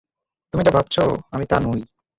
তুমি যা ভাবছো, আমি তা নই।